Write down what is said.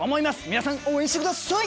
皆さん応援してください。